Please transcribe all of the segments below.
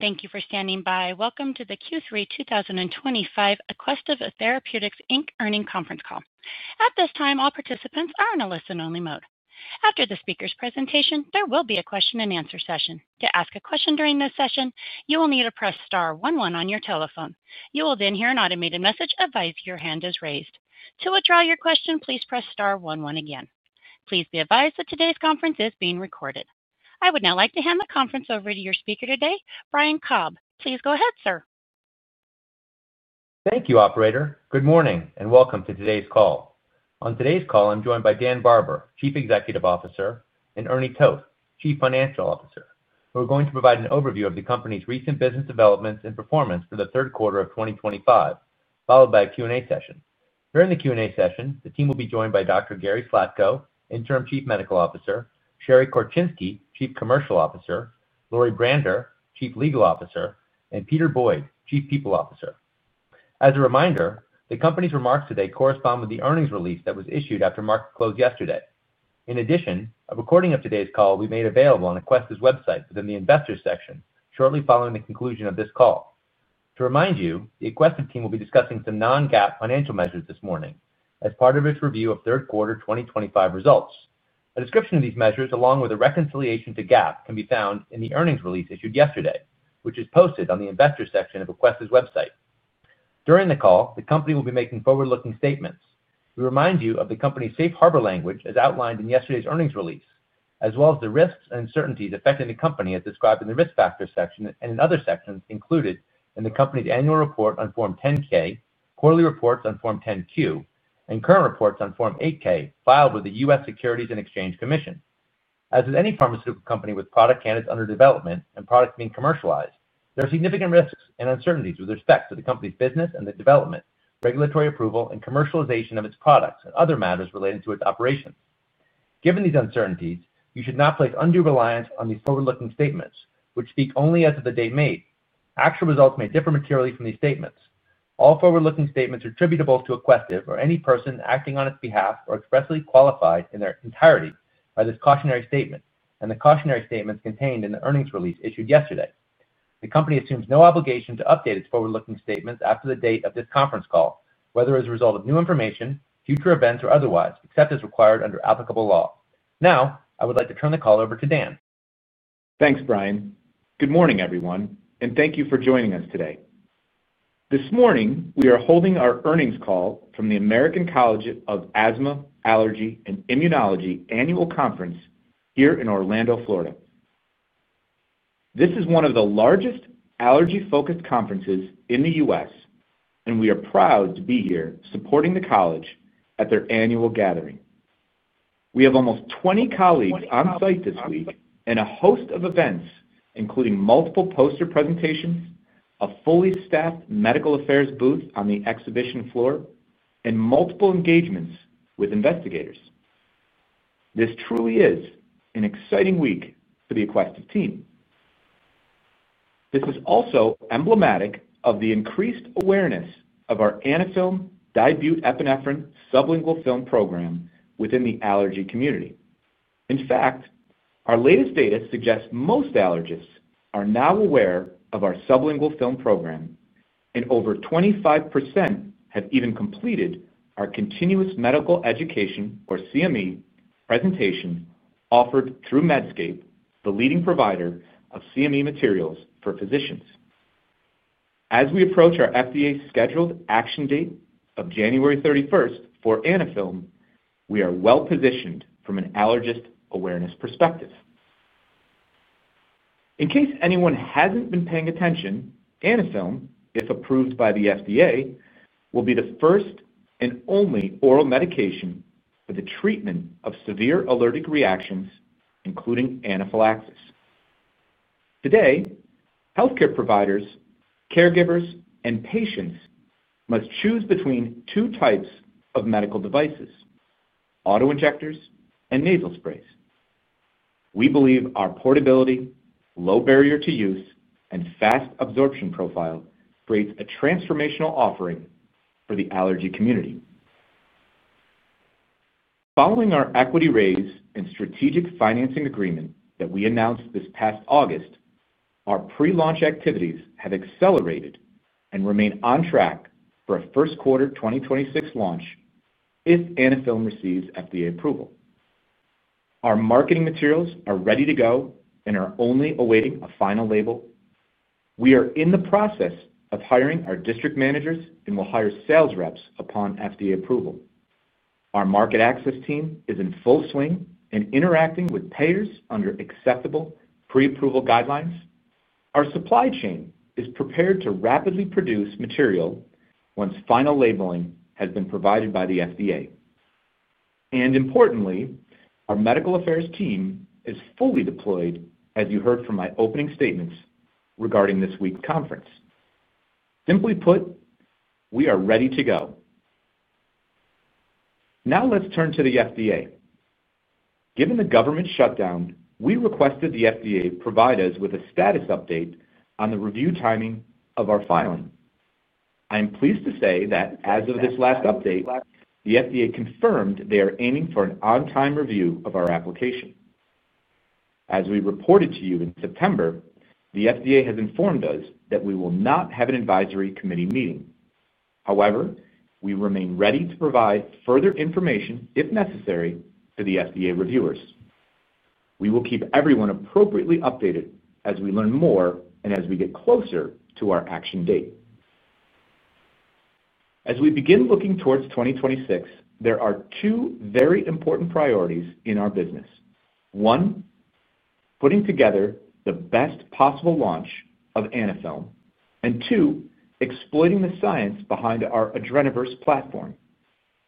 Thank you for standing by. Welcome to the Q3 2025 Aquestive Therapeutics, Inc Earnings Conference Call. At this time, all participants are in a listen-only mode. After the speaker's presentation, there will be a question-and-answer session. To ask a question during this session, you will need to press star one one on your telephone. You will then hear an automated message advise your hand is raised. To withdraw your question, please press star one one again. Please be advised that today's conference is being recorded. I would now like to hand the conference over to your speaker today, Brian Korb. Please go ahead, sir. Thank you, Operator. Good morning and welcome to today's call. On today's call, I'm joined by Dan Barber, Chief Executive Officer, and Ernie Toth, Chief Financial Officer. We're going to provide an overview of the company's recent business developments and performance for the third quarter of 2025, followed by a Q&A session. During the Q&A session, the team will be joined by Dr. Gary Slatko, Interim Chief Medical Officer; Sherry Korczynski, Chief Commercial Officer; Lori Braender, Chief Legal Officer; and Peter Boyd, Chief People Officer. As a reminder, the company's remarks today correspond with the earnings release that was issued after market close yesterday. In addition, a recording of today's call will be made available on Aquestive's website within the Investors section shortly following the conclusion of this call. To remind you, the Aquestive team will be discussing some non-GAAP financial measures this morning as part of its review of third quarter 2025 results. A description of these measures, along with a reconciliation to GAAP, can be found in the earnings release issued yesterday, which is posted on the Investors section of Aquestive's website. During the call, the company will be making forward-looking statements. We remind you of the company's safe harbor language as outlined in yesterday's earnings release, as well as the risks and uncertainties affecting the company as described in the risk factors section and in other sections included in the company's annual report on Form 10-K, quarterly reports on Form 10-Q, and current reports on Form 8-K filed with the U.S. Securities and Exchange Commission. As with any pharmaceutical company with product candidates under development and products being commercialized, there are significant risks and uncertainties with respect to the company's business and the development, regulatory approval, and commercialization of its products and other matters relating to its operations. Given these uncertainties, you should not place undue reliance on these forward-looking statements, which speak only as of the date made. Actual results may differ materially from these statements. All forward-looking statements are attributable to Aquestive or any person acting on its behalf or expressly qualified in their entirety by this cautionary statement and the cautionary statements contained in the earnings release issued yesterday. The company assumes no obligation to update its forward-looking statements after the date of this conference call, whether as a result of new information, future events, or otherwise, except as required under applicable law. Now, I would like to turn the call over to Dan. Thanks, Brian. Good morning, everyone, and thank you for joining us today. This morning, we are holding our earnings call from the American College of Asthma, Allergy, and Immunology Annual Conference here in Orlando, Florida. This is one of the largest allergy-focused conferences in the U.S., and we are proud to be here supporting the college at their annual gathering. We have almost 20 colleagues on site this week and a host of events, including multiple poster presentations, a fully staffed medical affairs booth on the exhibition floor, and multiple engagements with investigators. This truly is an exciting week for the Aquestive team. This is also emblematic of the increased awareness of our Anaphylm Epinephrine Sublingual Film program within the allergy community. In fact, our latest data suggests most allergists are now aware of our Sublingual Film program. Over 25% have even completed our Continuous Medical Education, or CME, presentation offered through Medscape, the leading provider of CME materials for physicians. As we approach our FDA scheduled action date of January 31st for Anaphylm, we are well positioned from an allergist awareness perspective. In case anyone has not been paying attention, Anaphylm, if approved by the FDA, will be the first and only oral medication for the treatment of severe allergic reactions, including anaphylaxis. Today, healthcare providers, caregivers, and patients must choose between two types of medical devices: autoinjectors and nasal sprays. We believe our portability, low barrier to use, and fast absorption profile create a transformational offering for the allergy community. Following our equity raise and strategic financing agreement that we announced this past August, our pre-launch activities have accelerated and remain on track for a first quarter 2026 launch if Anaphylm receives FDA approval. Our marketing materials are ready to go and are only awaiting a final label. We are in the process of hiring our district managers and will hire sales reps upon FDA approval. Our market access team is in full swing and interacting with payers under acceptable pre-approval guidelines. Our supply chain is prepared to rapidly produce material once final labeling has been provided by the FDA. Importantly, our medical affairs team is fully deployed, as you heard from my opening statements regarding this week's conference. Simply put, we are ready to go. Now let's turn to the FDA. Given the government shutdown, we requested the FDA provide us with a status update on the review timing of our filing. I am pleased to say that as of this last update, the FDA confirmed they are aiming for an on-time review of our application. As we reported to you in September, the FDA has informed us that we will not have an advisory committee meeting. However, we remain ready to provide further information if necessary to the FDA reviewers. We will keep everyone appropriately updated as we learn more and as we get closer to our action date. As we begin looking towards 2026, there are two very important priorities in our business. One, putting together the best possible launch of Anaphylm, and two, exploiting the science behind our Adrenaverse platform.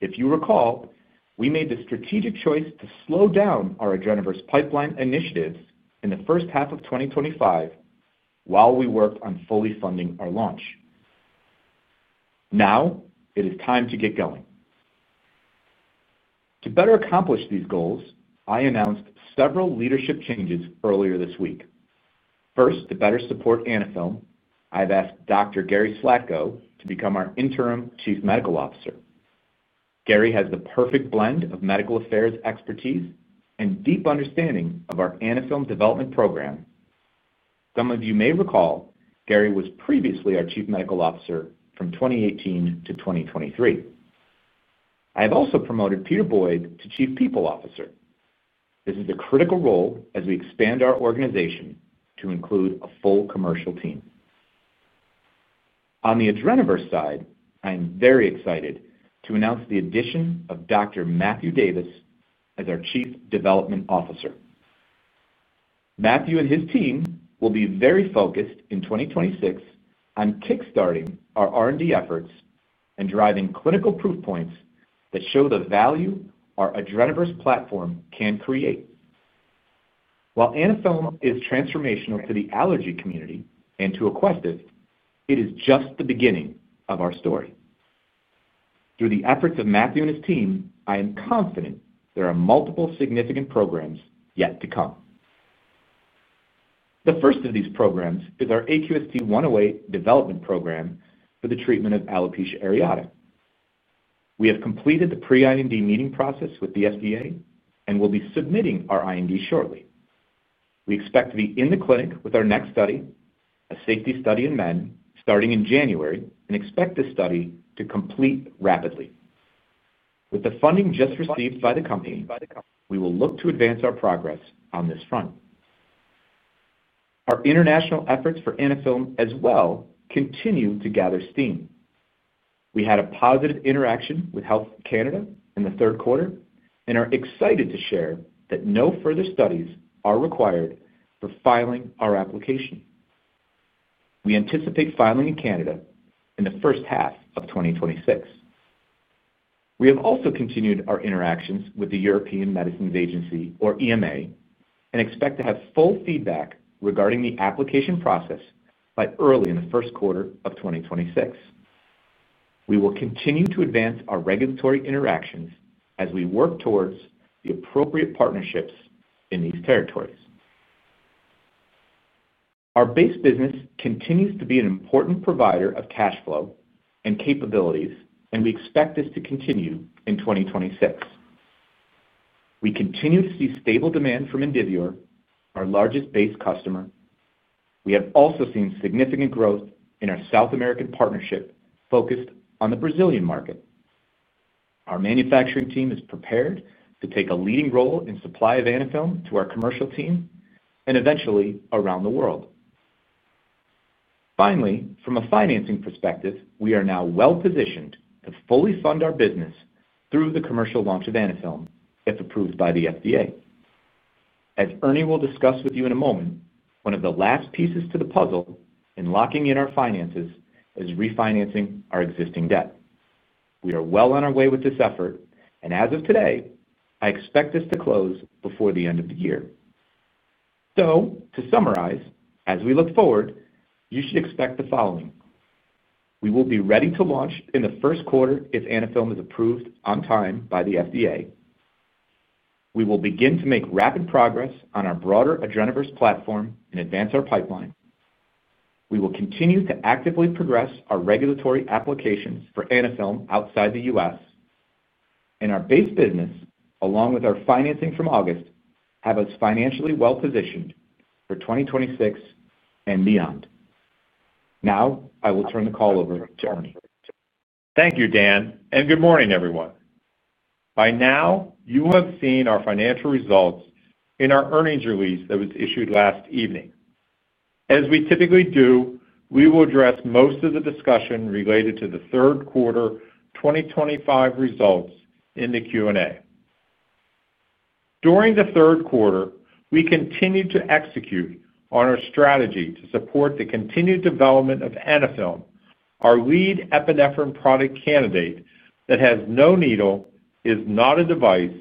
If you recall, we made the strategic choice to slow down our Adrenaverse pipeline initiatives in the first half of 2025 while we worked on fully funding our launch. Now it is time to get going. To better accomplish these goals, I announced several leadership changes earlier this week. First, to better support Anaphylm, I've asked Dr. Gary Slatko to become our Interim Chief Medical Officer. Gary has the perfect blend of medical affairs expertise and deep understanding of our Anaphylm development program. Some of you may recall Gary was previously our Chief Medical Officer from 2018 to 2023. I have also promoted Peter Boyd to Chief People Officer. This is a critical role as we expand our organization to include a full commercial team. On the Adrenaverse side, I am very excited to announce the addition of Dr. Matthew Davis as our Chief Development Officer. Matthew and his team will be very focused in 2026 on kickstarting our R&D efforts and driving clinical proof points that show the value our Adrenaverse platform can create. While Anaphylm is transformational to the allergy community and to Aquestive, it is just the beginning of our story. Through the efforts of Matthew and his team, I am confident there are multiple significant programs yet to come. The first of these programs is our AQST-108 development program for the treatment of alopecia areata. We have completed the pre-IND meeting process with the FDA and will be submitting our IND shortly. We expect to be in the clinic with our next study, a safety study in men, starting in January and expect this study to complete rapidly. With the funding just received by the company, we will look to advance our progress on this front. Our international efforts for Anaphylm as well continue to gather steam. We had a positive interaction with Health Canada in the third quarter and are excited to share that no further studies are required for filing our application. We anticipate filing in Canada in the first half of 2026. We have also continued our interactions with the European Medicines Agency, or EMA, and expect to have full feedback regarding the application process by early in the first quarter of 2026. We will continue to advance our regulatory interactions as we work towards the appropriate partnerships in these territories. Our base business continues to be an important provider of cash flow and capabilities, and we expect this to continue in 2026. We continue to see stable demand from Invivure, our largest base customer. We have also seen significant growth in our South American partnership focused on the Brazilian market. Our manufacturing team is prepared to take a leading role in supply of Anaphylm to our commercial team and eventually around the world. Finally, from a financing perspective, we are now well positioned to fully fund our business through the commercial launch of Anaphylm if approved by the FDA. As Ernie will discuss with you in a moment, one of the last pieces to the puzzle in locking in our finances is refinancing our existing debt. We are well on our way with this effort, and as of today, I expect this to close before the end of the year. To summarize, as we look forward, you should expect the following. We will be ready to launch in the first quarter if Anaphylm is approved on time by the FDA. We will begin to make rapid progress on our broader Adrenaverse platform and advance our pipeline. We will continue to actively progress our regulatory applications for Anaphylm outside the U.S. Our base business, along with our financing from August, have us financially well positioned for 2026 and beyond. Now, I will turn the call over to Ernie. Thank you, Dan, and good morning, everyone. By now, you have seen our financial results in our earnings release that was issued last evening. As we typically do, we will address most of the discussion related to the third quarter 2025 results in the Q&A. During the third quarter, we continued to execute on our strategy to support the continued development of Anaphylm, our lead epinephrine product candidate that has no needle, is not a device,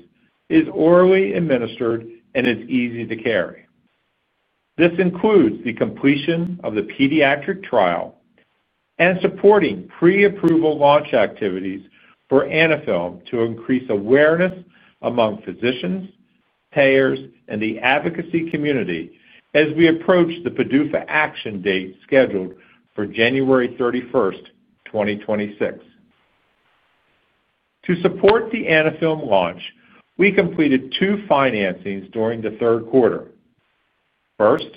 is orally administered, and is easy to carry. This includes the completion of the pediatric trial and supporting pre-approval launch activities for Anaphylm to increase awareness among physicians, payers, and the advocacy community as we approach the PDUFA action date scheduled for January 31, 2026. To support the Anaphylm launch, we completed two financings during the third quarter. First,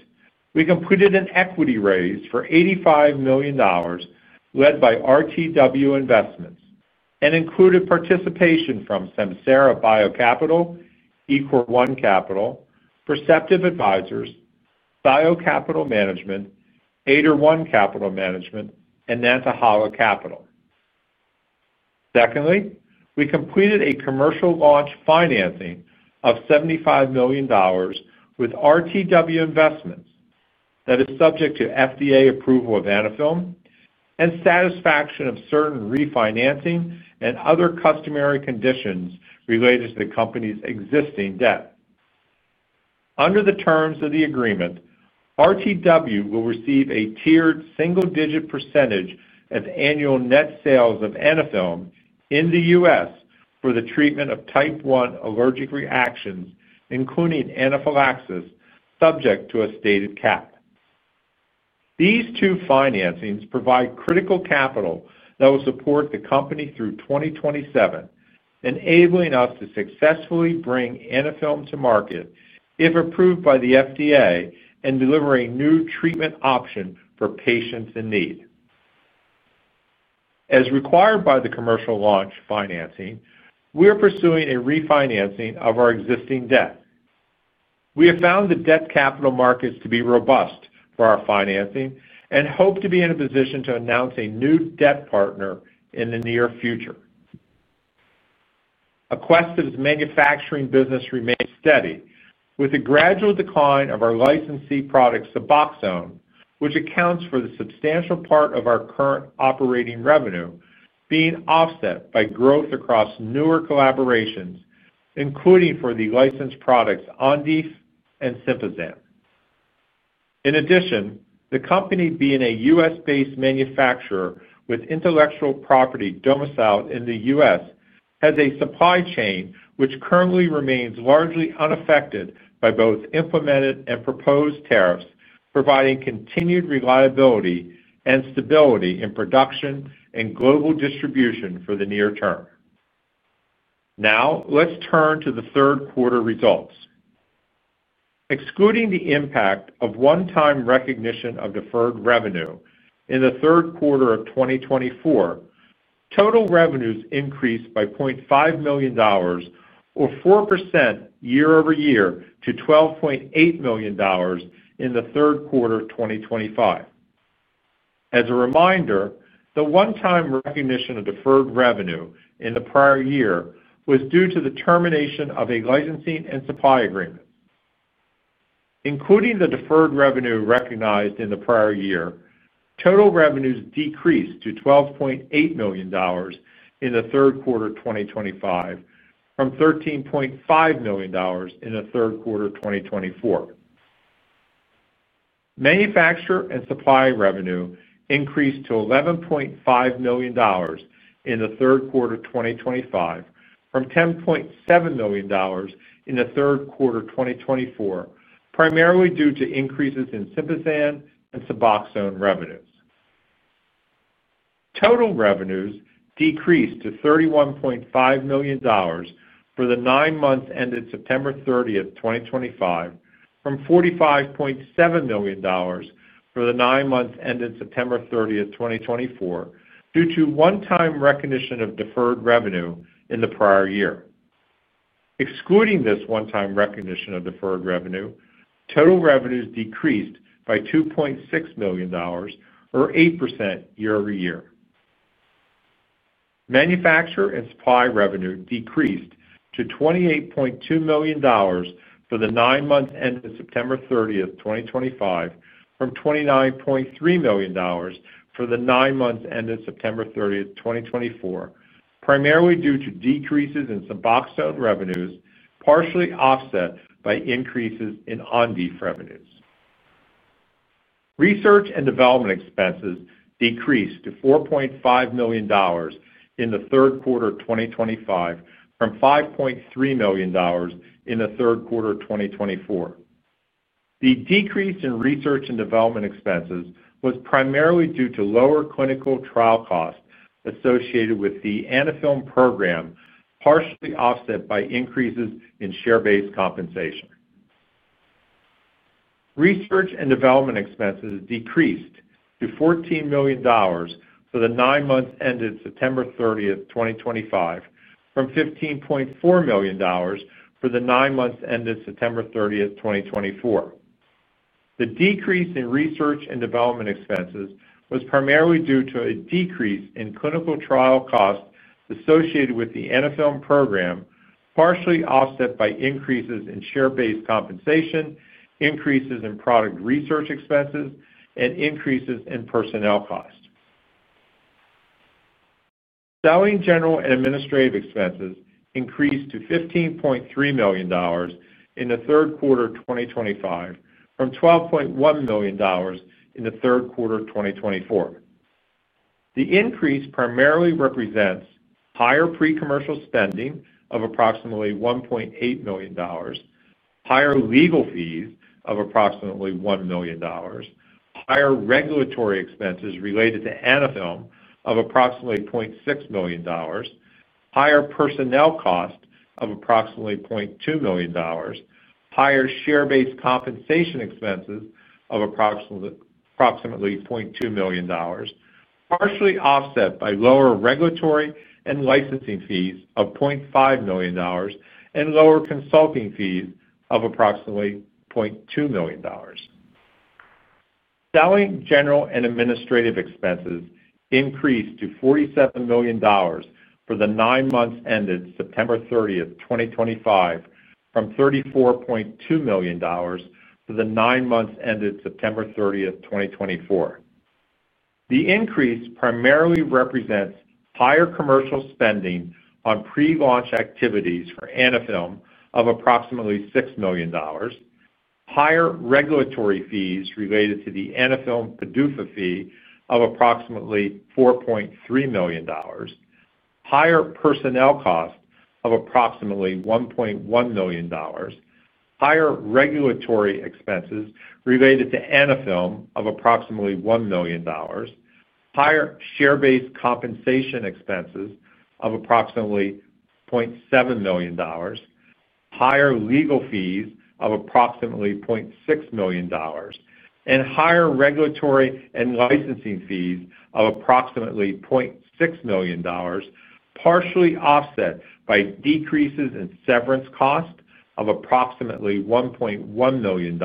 we completed an equity raise for $85 million. Led by RTW Investments and included participation from Samsara BioCapital, Equal1 Capital, Perceptive Advisors, BioCapital Management, Ader1 Capital Management, and Nantahala Capital. Secondly, we completed a commercial launch financing of $75 million with RTW Investments that is subject to FDA approval of Anaphylm and satisfaction of certain refinancing and other customary conditions related to the company's existing debt. Under the terms of the agreement, RTW will receive a tiered single-digit % of annual net sales of Anaphylm in the U.S. for the treatment of type one allergic reactions, including anaphylaxis, subject to a stated cap. These two financings provide critical capital that will support the company through 2027, enabling us to successfully bring Anaphylm to market if approved by the FDA and deliver a new treatment option for patients in need. As required by the commercial launch financing, we are pursuing a refinancing of our existing debt. We have found the debt capital markets to be robust for our financing and hope to be in a position to announce a new debt partner in the near future. Aquestive's manufacturing business remains steady, with a gradual decline of our licensee product, Suboxone, which accounts for the substantial part of our current operating revenue, being offset by growth across newer collaborations, including for the licensed products Onfi and Sympazan. In addition, the company, being a U.S.-based manufacturer with intellectual property domiciled in the U.S., has a supply chain which currently remains largely unaffected by both implemented and proposed tariffs, providing continued reliability and stability in production and global distribution for the near term. Now, let's turn to the third quarter results. Excluding the impact of one-time recognition of deferred revenue in the third quarter of 2024, total revenues increased by $0.5 million. Or 4% year over year to $12.8 million in the third quarter of 2025. As a reminder, the one-time recognition of deferred revenue in the prior year was due to the termination of a licensing and supply agreement. Including the deferred revenue recognized in the prior year, total revenues decreased to $12.8 million in the third quarter of 2025 from $13.5 million in the third quarter of 2024. Manufacturer and supply revenue increased to $11.5 million in the third quarter of 2025 from $10.7 million in the third quarter of 2024, primarily due to increases in Sympazan and Suboxone revenues. Total revenues decreased to $31.5 million for the nine months ended September 30, 2025, from $45.7 million for the nine months ended September 30, 2024, due to one-time recognition of deferred revenue in the prior year. Excluding this one-time recognition of deferred revenue, total revenues decreased by $2.6 million, or 8% year over year. Manufacturer and supply revenue decreased to $28.2 million for the nine months ended September 30th, 2025, from $29.3 million for the nine months ended September 30th, 2024, primarily due to decreases in Suboxone revenues, partially offset by increases in Onfi revenues. Research and development expenses decreased to $4.5 million in the third quarter of 2025 from $5.3 million in the third quarter of 2024. The decrease in research and development expenses was primarily due to lower clinical trial costs associated with the Anaphylm program, partially offset by increases in share-based compensation. Research and development expenses decreased to $14 million for the nine months ended September 30th, 2025, from $15.4 million for the nine months ended September 30th, 2024. The decrease in research and development expenses was primarily due to a decrease in clinical trial costs associated with the Anaphylm program. Partially offset by increases in share-based compensation, increases in product research expenses, and increases in personnel costs. Selling, general, and administrative expenses increased to $15.3 million in the third quarter of 2025 from $12.1 million in the third quarter of 2024. The increase primarily represents higher pre-commercial spending of approximately $1.8 million, higher legal fees of approximately $1 million, higher regulatory expenses related to Anaphylm of approximately $0.6 million, higher personnel costs of approximately $0.2 million, and higher share-based compensation expenses of approximately $0.2 million. Partially offset by lower regulatory and licensing fees of $0.5 million and lower consulting fees of approximately $0.2 million. Selling general and administrative expenses increased to $47 million for the nine months ended September 30, 2025, from $34.2 million for the nine months ended September 30th, 2024. The increase primarily represents higher commercial spending on pre-launch activities for Anaphylm of approximately $6 million. Higher regulatory fees related to the Anaphylm PDUFA fee of approximately $4.3 million. Higher personnel costs of approximately $1.1 million. Higher regulatory expenses related to Anaphylm of approximately $1 million. Higher share-based compensation expenses of approximately $0.7 million. Higher legal fees of approximately $0.6 million. Higher regulatory and licensing fees of approximately $0.6 million. Partially offset by decreases in severance costs of approximately $1.1 million.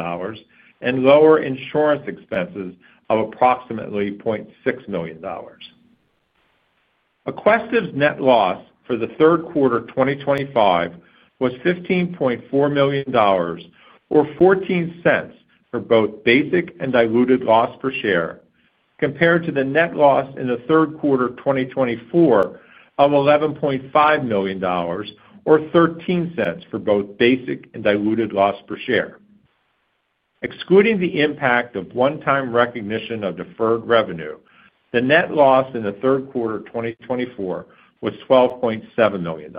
Lower insurance expenses of approximately $0.6 million. Aquestive's net loss for the third quarter of 2025 was $15.4 million. Or $0.14 for both basic and diluted loss per share, compared to the net loss in the third quarter of 2024 of $11.5 million, or $0.13 for both basic and diluted loss per share. Excluding the impact of one-time recognition of deferred revenue, the net loss in the third quarter of 2024 was $12.7 million.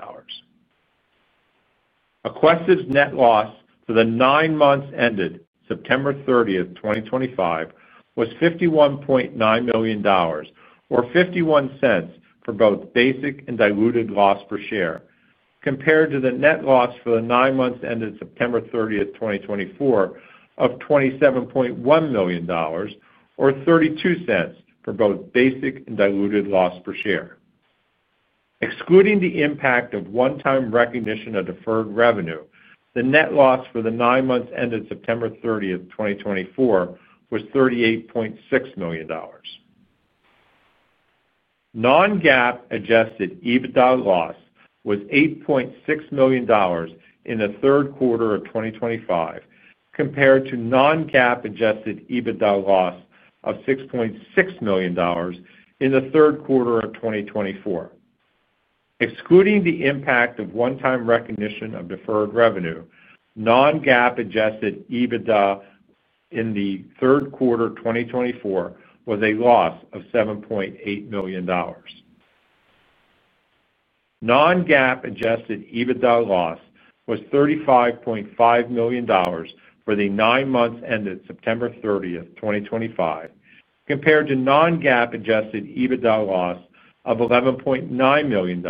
Aquestive's net loss for the nine months ended September 30th, 2025, was $51.9 million, or $0.51 for both basic and diluted loss per share, compared to the net loss for the nine months ended September 30, 2024, of $27.1 million, or $0.32 for both basic and diluted loss per share. Excluding the impact of one-time recognition of deferred revenue, the net loss for the nine months ended September 30th, 2024, was $38.6 million. Non-GAAP adjusted EBITDA loss was $8.6 million in the third quarter of 2025, compared to non-GAAP adjusted EBITDA loss of $6.6 million in the third quarter of 2024. Excluding the impact of one-time recognition of deferred revenue, non-GAAP adjusted EBITDA in the third quarter of 2024 was a loss of $7.8 million. Non-GAAP adjusted EBITDA loss was $35.5 million for the nine months ended September 30th, 2025, compared to non-GAAP adjusted EBITDA loss of $11.9 million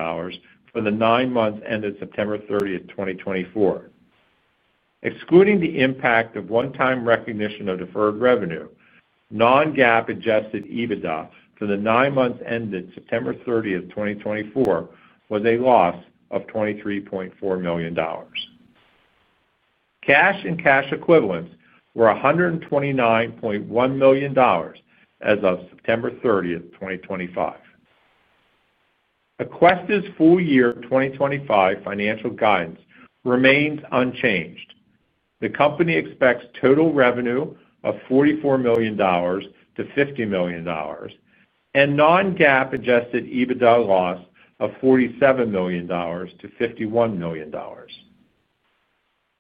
for the nine months ended September 30th, 2024. Excluding the impact of one-time recognition of deferred revenue, non-GAAP adjusted EBITDA for the nine months ended September 30th, 2024, was a loss of $23.4 million. Cash and cash equivalents were $129.1 million as of September 30th, 2025. Aquestive's full year 2025 financial guidance remains unchanged. The company expects total revenue of $44 million-$50 million. Non-GAAP adjusted EBITDA loss of $47 million-$51 million.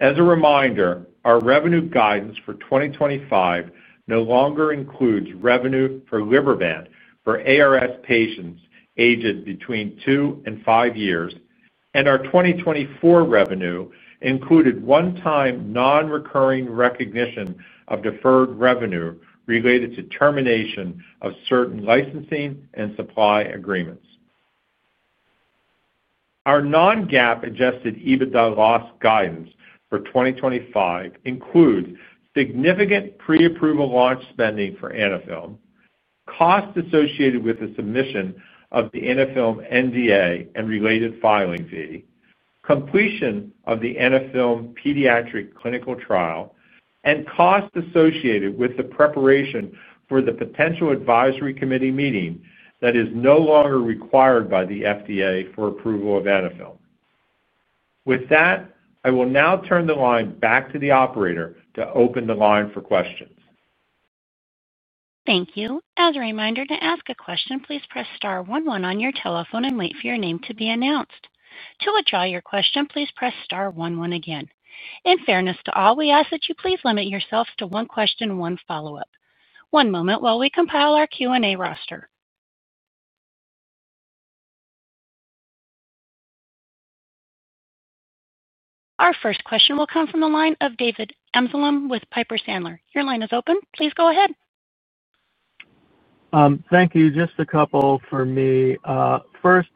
As a reminder, our revenue guidance for 2025 no longer includes revenue for Riverbend for ARS patients aged between two and five years, and our 2024 revenue included one-time non-recurring recognition of deferred revenue related to termination of certain licensing and supply agreements. Our non-GAAP adjusted EBITDA loss guidance for 2025 includes significant pre-approval launch spending for Anaphylm. Costs associated with the submission of the Anaphylm NDA and related filing fee, completion of the Anaphylm pediatric clinical trial, and costs associated with the preparation for the potential advisory committee meeting that is no longer required by the FDA for approval of Anaphylm. With that, I will now turn the line back to the operator to open the line for questions. Thank you. As a reminder, to ask a question, please press star one one on your telephone and wait for your name to be announced. To withdraw your question, please press star one one again. In fairness to all, we ask that you please limit yourself to one question, one follow-up. One moment while we compile our Q&A roster. Our first question will come from the line of David Amsellem with Piper Sandler. Your line is open. Please go ahead. Thank you. Just a couple for me. First,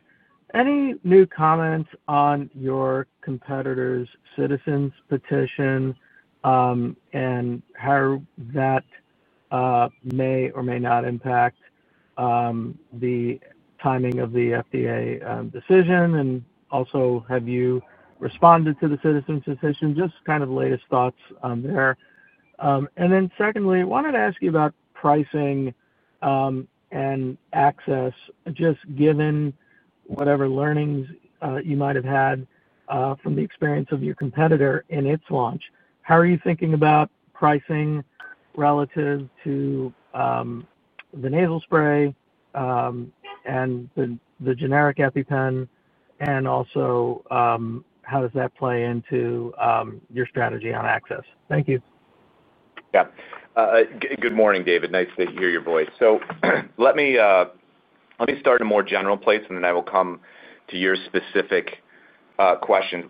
any new comments on your competitor's citizens' petition? How that may or may not impact the timing of the FDA decision? Also, have you responded to the citizens' petition? Just kind of latest thoughts on there. Secondly, I wanted to ask you about pricing and access, just given whatever learnings you might have had. From the experience of your competitor in its launch. How are you thinking about pricing relative to the nasal spray and the generic EpiPen? And also, how does that play into your strategy on access? Thank you. Yeah. Good morning, David. Nice to hear your voice. Let me start in a more general place, and then I will come to your specific question.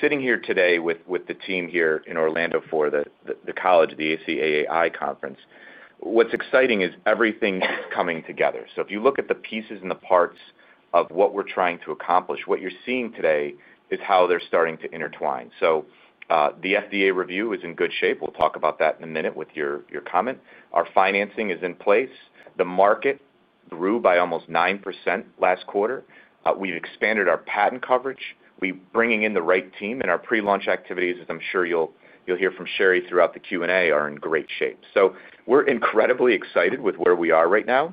Sitting here today with the team here in Orlando for the college of the ACAAI Conference, what's exciting is everything is coming together. If you look at the pieces and the parts of what we're trying to accomplish, what you're seeing today is how they're starting to intertwine. The FDA review is in good shape. We'll talk about that in a minute with your comment. Our financing is in place. The market grew by almost 9% last quarter. We've expanded our patent coverage. We're bringing in the right team, and our pre-launch activities, as I'm sure you'll hear from Sherry throughout the Q&A, are in great shape. We're incredibly excited with where we are right now.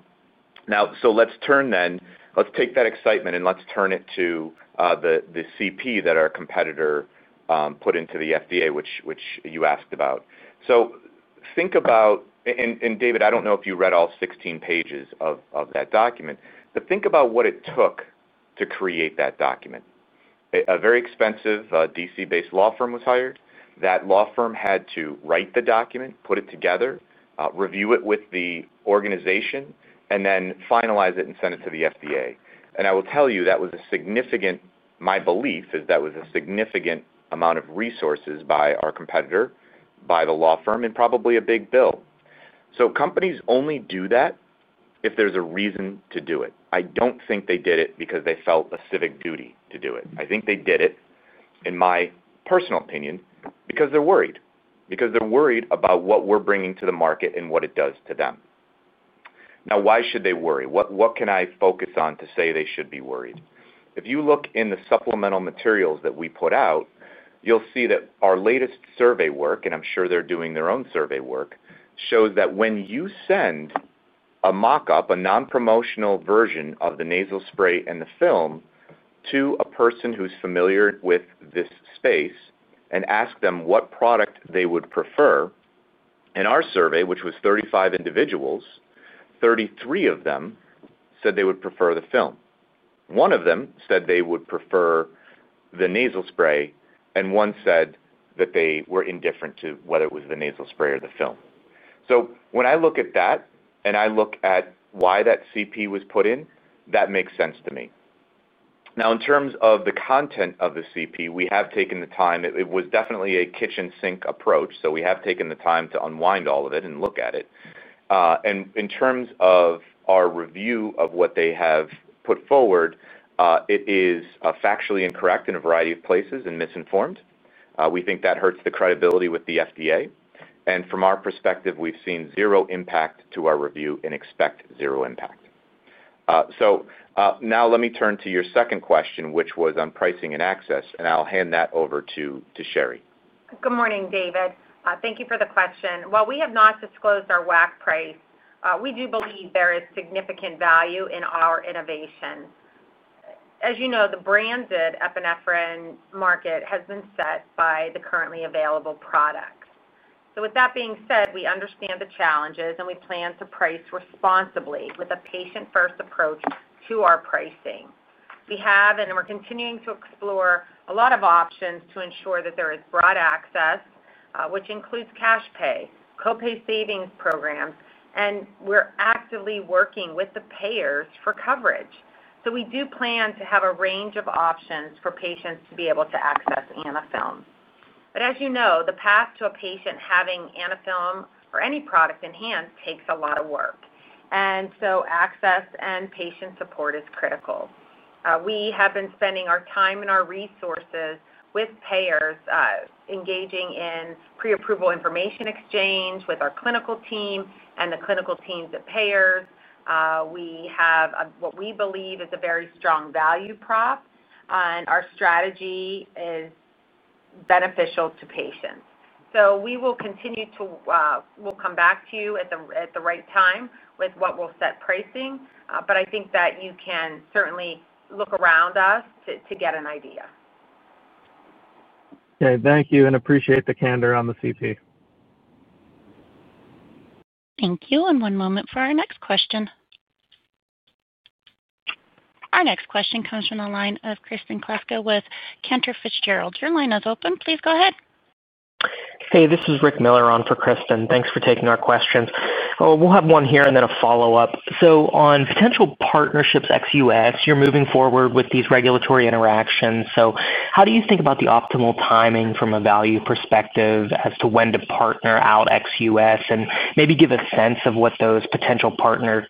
Now, let's turn, then let's take that excitement and let's turn it to the CP that our competitor put into the FDA, which you asked about. Think about—and David, I don't know if you read all 16 pages of that document—but think about what it took to create that document. A very expensive DC-based law firm was hired. That law firm had to write the document, put it together, review it with the organization, and then finalize it and send it to the FDA. I will tell you, that was a significant—my belief is that was a significant amount of resources by our competitor, by the law firm, and probably a big bill. Companies only do that if there's a reason to do it. I don't think they did it because they felt a civic duty to do it. I think they did it, in my personal opinion, because they're worried. Because they're worried about what we're bringing to the market and what it does to them. Now, why should they worry? What can I focus on to say they should be worried? If you look in the supplemental materials that we put out, you'll see that our latest survey work—and I'm sure they're doing their own survey work—shows that when you send a mock-up, a non-promotional version of the nasal spray and the film to a person who's familiar with this space and ask them what product they would prefer, in our survey, which was 35 individuals, 33 of them said they would prefer the film. One of them said they would prefer the nasal spray, and one said that they were indifferent to whether it was the nasal spray or the film. When I look at that and I look at why that CP was put in, that makes sense to me. In terms of the content of the CP, we have taken the time—it was definitely a kitchen sink approach—so we have taken the time to unwind all of it and look at it. In terms of our review of what they have put forward, it is factually incorrect in a variety of places and misinformed. We think that hurts the credibility with the FDA. From our perspective, we've seen zero impact to our review and expect zero impact. Now let me turn to your second question, which was on pricing and access, and I'll hand that over to Sherry. Good morning, David. Thank you for the question. While we have not disclosed our WAC price, we do believe there is significant value in our innovation. As you know, the branded epinephrine market has been set by the currently available products. With that being said, we understand the challenges, and we plan to price responsibly with a patient-first approach to our pricing. We have, and we're continuing to explore a lot of options to ensure that there is broad access, which includes cash pay, copay savings programs, and we're actively working with the payers for coverage. We do plan to have a range of options for patients to be able to access Anaphylm. As you know, the path to a patient having Anaphylm or any product enhanced takes a lot of work. Access and patient support is critical. We have been spending our time and our resources with payers, engaging in pre-approval information exchange with our clinical team and the clinical teams at payers. We have what we believe is a very strong value prop, and our strategy is beneficial to patients. We will continue to— We'll come back to you at the right time with what we'll set pricing. I think that you can certainly look around us to get an idea. Okay. Thank you, and appreciate the candor on the CP. Thank you. One moment for our next question. Our next question comes from the line of Kristen Kluska with Cantor Fitzgerald. Your line is open. Please go ahead. Hey, this is Rick Miller on for Kristen. Thanks for taking our questions. We'll have one here and then a follow-up. On potential partnerships XUS, you're moving forward with these regulatory interactions. How do you think about the optimal timing from a value perspective as to when to partner out XUS and maybe give a sense of what those potential partner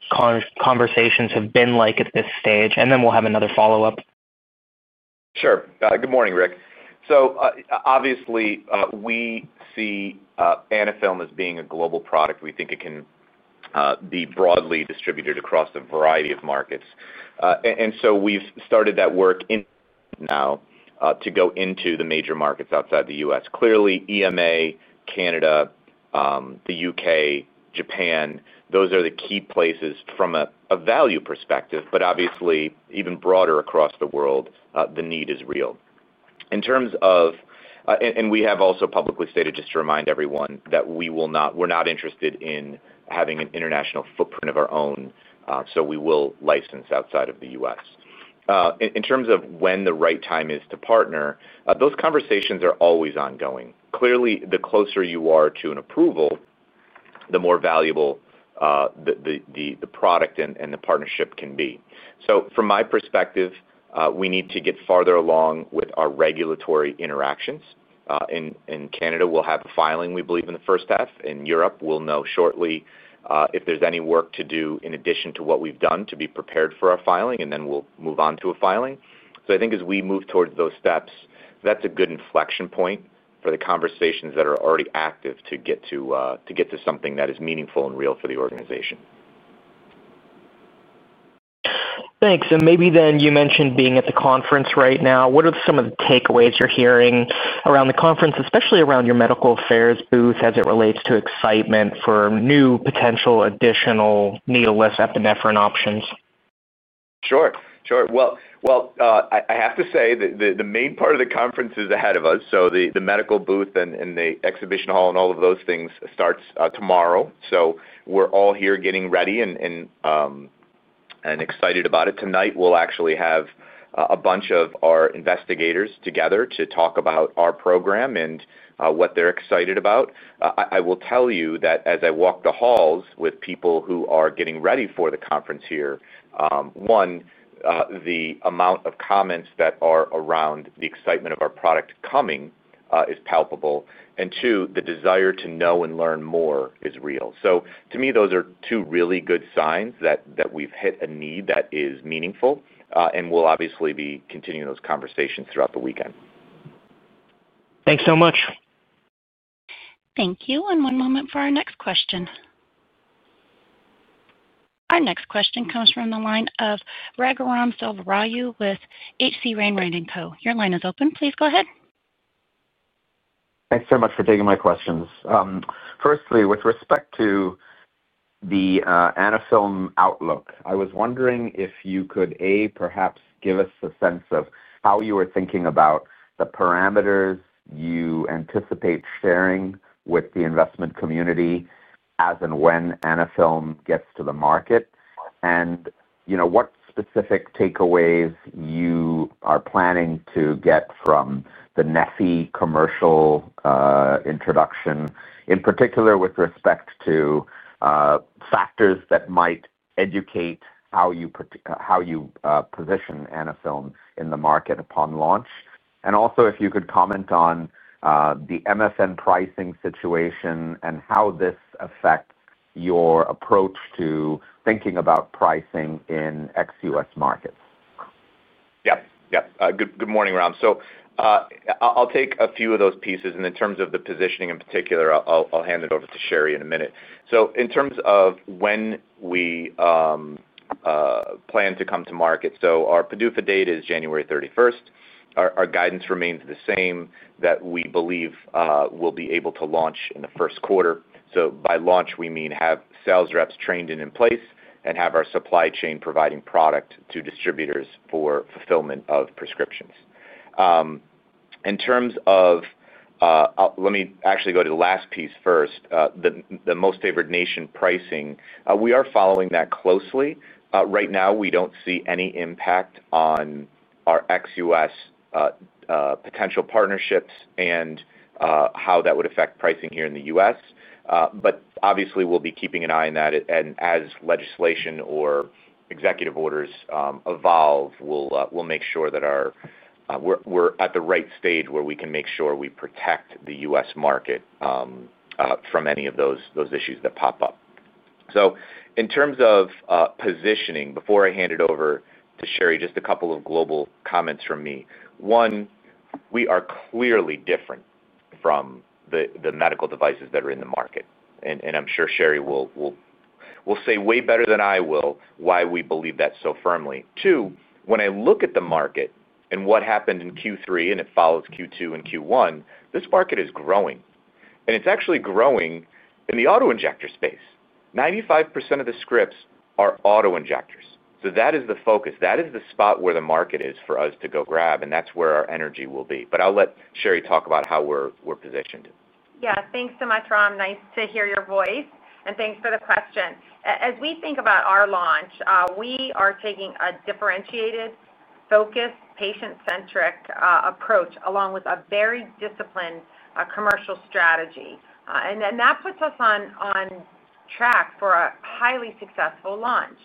conversations have been like at this stage? We'll have another follow-up. Sure. Good morning, Rick. Obviously, we see Anaphylm as being a global product. We think it can be broadly distributed across a variety of markets, and we've started that work now to go into the major markets outside the U.S. Clearly, EMA, Canada, the U.K., Japan, those are the key places from a value perspective. Obviously, even broader across the world, the need is real. In terms of— And we have also publicly stated, just to remind everyone, that we're not interested in having an international footprint of our own. So we will license outside of the U.S. In terms of when the right time is to partner, those conversations are always ongoing. Clearly, the closer you are to an approval, the more valuable the product and the partnership can be. From my perspective, we need to get farther along with our regulatory interactions. In Canada, we'll have a filing, we believe, in the first half. In Europe, we'll know shortly if there's any work to do in addition to what we've done to be prepared for our filing, and then we'll move on to a filing. I think as we move towards those steps, that's a good inflection point for the conversations that are already active to get to something that is meaningful and real for the organization. Thanks. Maybe then you mentioned being at the conference right now. What are some of the takeaways you're hearing around the conference, especially around your medical affairs booth, as it relates to excitement for new potential additional needleless epinephrine options? Sure. I have to say that the main part of the conference is ahead of us. The medical booth and the exhibition hall and all of those things start tomorrow. We're all here getting ready and excited about it. Tonight, we'll actually have a bunch of our investigators together to talk about our program and what they're excited about. I will tell you that as I walk the halls with people who are getting ready for the conference here. One, the amount of comments that are around the excitement of our product coming is palpable. Two, the desire to know and learn more is real. To me, those are two really good signs that we've hit a need that is meaningful and will obviously be continuing those conversations throughout the weekend. Thanks so much. Thank you. One moment for our next question. Our next question comes from the line of Raghuram Selvaraju with H.C. Wainwright & Co. Your line is open. Please go ahead. Thanks so much for taking my questions. Firstly, with respect to. The Anaphylm outlook, I was wondering if you could, A, perhaps give us a sense of how you are thinking about the parameters you anticipate sharing with the investment community as and when Anaphylm gets to the market. What specific takeaways you are planning to get from the Neffy commercial introduction, in particular with respect to factors that might educate how you position Anaphylm in the market upon launch? Also, if you could comment on the MFN pricing situation and how this affects your approach to thinking about pricing in XUSmarkets. Yep. Good morning, Ram. I'll take a few of those pieces. In terms of the positioning in particular, I'll hand it over to Sherry in a minute. In terms of when we plan to come to market, our PDUFA date is January 31. Our guidance remains the same that we believe we'll be able to launch in the first quarter. By launch, we mean have sales reps trained and in place and have our supply chain providing product to distributors for fulfillment of prescriptions. In terms of—let me actually go to the last piece first. The most favored nation pricing, we are following that closely. Right now, we don't see any impact on our XUS potential partnerships and how that would affect pricing here in the U.S. Obviously, we'll be keeping an eye on that. As legislation or executive orders evolve, we'll make sure that we're at the right stage where we can make sure we protect the U.S. market from any of those issues that pop up. In terms of positioning, before I hand it over to Sherry, just a couple of global comments from me. One, we are clearly different from the medical devices that are in the market. I'm sure Sherry will say way better than I will why we believe that so firmly. Two, when I look at the market and what happened in Q3 and it follows Q2 and Q1, this market is growing. It's actually growing in the auto injector space. 95% of the scripts are auto injectors. That is the focus. That is the spot where the market is for us to go grab, and that's where our energy will be. I'll let Sherry talk about how we're positioned. Yeah. Thanks so much, Ram. Nice to hear your voice. Thanks for the question. As we think about our launch, we are taking a differentiated, focused, patient-centric approach along with a very disciplined commercial strategy. That puts us on track for a highly successful launch.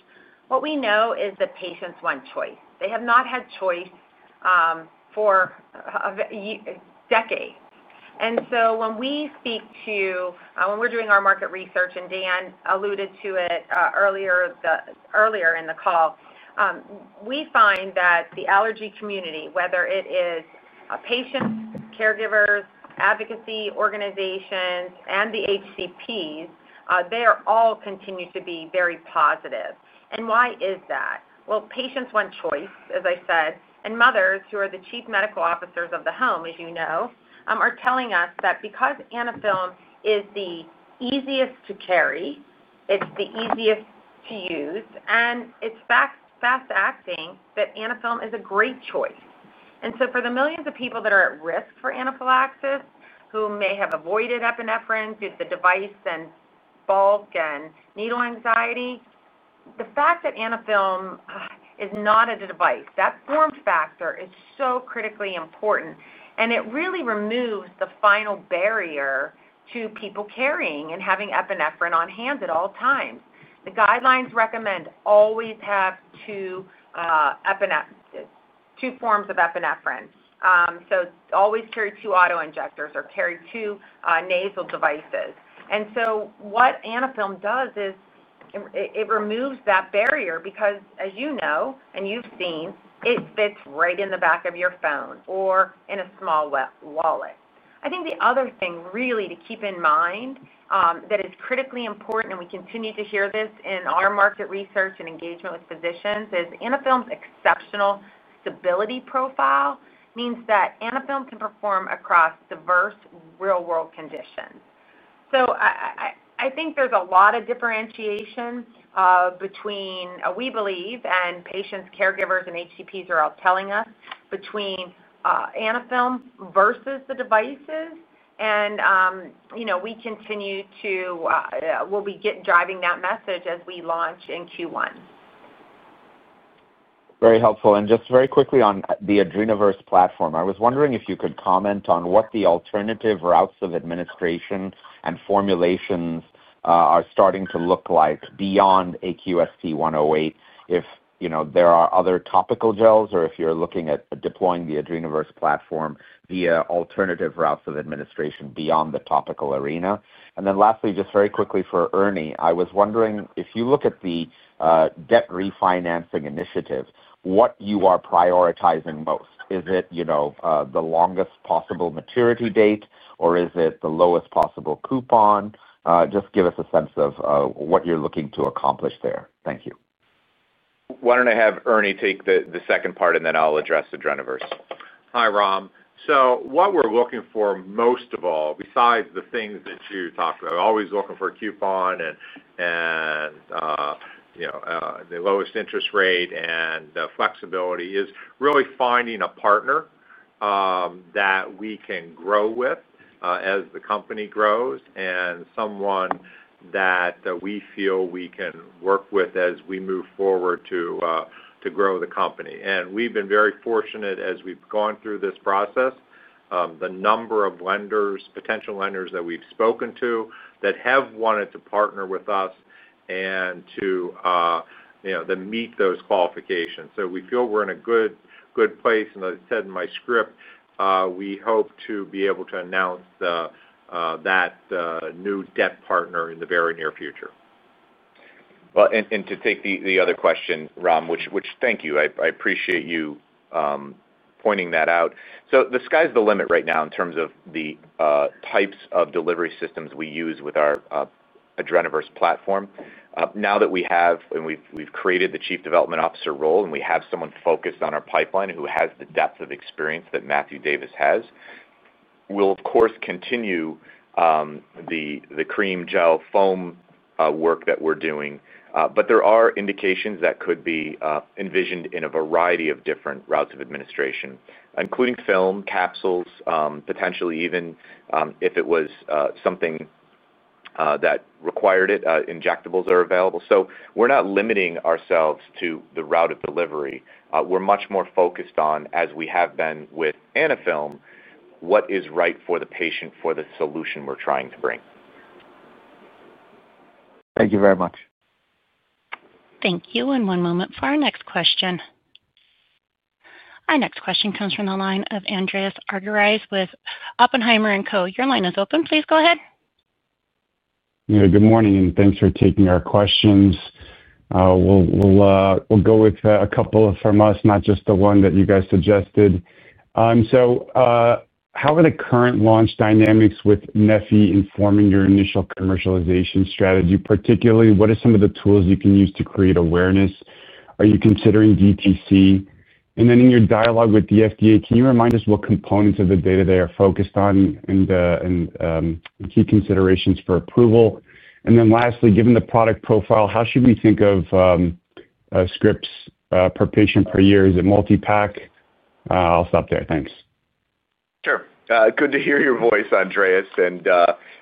What we know is that patients want choice. They have not had choice for decades. When we speak to—when we're doing our market research, and Dan alluded to it earlier in the call, we find that the allergy community, whether it is patients, caregivers, advocacy organizations, and the HCPs, they are all continuing to be very positive. Why is that? Patients want choice, as I said. Mothers who are the chief medical officers of the home, as you know, are telling us that because Anaphylm is the easiest to carry, it's the easiest to use, and it's fast-acting, Anaphylm is a great choice. For the millions of people that are at risk for anaphylaxis, who may have avoided epinephrine due to the device and bulk and needle anxiety, the fact that Anaphylm is not a device, that form factor is so critically important. It really removes the final barrier to people carrying and having epinephrine on hand at all times. The guidelines recommend always have two forms of epinephrine, so always carry two auto injectors or carry two nasal devices. What Anaphylm does is it removes that barrier because, as you know and you've seen, it fits right in the back of your phone or in a small wallet. I think the other thing really to keep in mind. That is critically important, and we continue to hear this in our market research and engagement with physicians, is Anaphylm's exceptional stability profile means that Anaphylm can perform across diverse real-world conditions. I think there's a lot of differentiation. We believe—and patients, caregivers, and HCPs are all telling us—between Anaphylm versus the devices. We continue to—we'll be driving that message as we launch in Q1. Very helpful. Just very quickly on the Adrenaverse platform, I was wondering if you could comment on what the alternative routes of administration and formulations are starting to look like beyond AQST-108, if there are other topical gels, or if you're looking at deploying the Adrenaverse platform via alternative routes of administration beyond the topical arena. Lastly, just very quickly for Ernie, I was wondering if you look at the. Debt refinancing initiative, what you are prioritizing most? Is it the longest possible maturity date, or is it the lowest possible coupon? Just give us a sense of what you're looking to accomplish there. Thank you. Why don't I have Ernie take the second part, and then I'll address Adrenaverse? Hi, Ram. So what we're looking for most of all, besides the things that you talked about, always looking for a coupon and the lowest interest rate and flexibility, is really finding a partner that we can grow with as the company grows and someone that we feel we can work with as we move forward to grow the company. We've been very fortunate as we've gone through this process. The number of potential lenders that we've spoken to that have wanted to partner with us and to meet those qualifications. We feel we're in a good place. As I said in my script, we hope to be able to announce that new debt partner in the very near future. To take the other question, Ram, thank you. I appreciate you pointing that out. The sky's the limit right now in terms of the types of delivery systems we use with our Adrenaverse platform. Now that we have created the Chief Development Officer role and we have someone focused on our pipeline who has the depth of experience that Matthew Davis has, we'll, of course, continue the cream gel foam work that we're doing. There are indications that could be envisioned in a variety of different routes of administration, including film capsules, potentially even if it was something that required it. Injectables are available. We are not limiting ourselves to the route of delivery. We're much more focused on, as we have been with Anaphylm, what is right for the patient for the solution we're trying to bring. Thank you very much. Thank you. One moment for our next question. Our next question comes from the line of Andreas Argyrides with Oppenheimer and Co. Your line is open. Please go ahead. Good morning, and thanks for taking our questions. We'll go with a couple from us, not just the one that you guys suggested. How are the current launch dynamics with Neffy informing your initial commercialization strategy? Particularly, what are some of the tools you can use to create awareness? Are you considering DTC? In your dialogue with the FDA, can you remind us what components of the data they are focused on and key considerations for approval? Lastly, given the product profile, how should we think of. Scripts per patient per year? Is it multi-pack? I'll stop there. Thanks. Sure. Good to hear your voice, Andreas.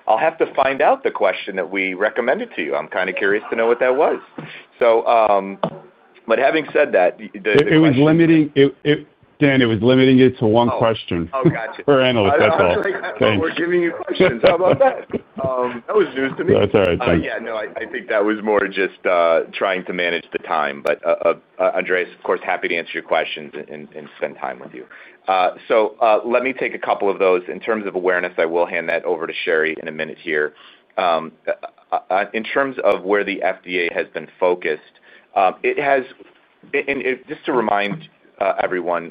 I'll have to find out the question that we recommended to you. I'm kind of curious to know what that was. Having said that, Dan, It was limiting it to one question. Oh, gotcha. For Analyst, that's all. Thanks. We're giving you questions. How about that? That was news to me. That's all right. Thanks. I think that was more just trying to manage the time. Andreas, of course, happy to answer your questions and spend time with you. Let me take a couple of those. In terms of awareness, I will hand that over to Sherry in a minute here. In terms of where the FDA has been focused, it has. Just to remind everyone,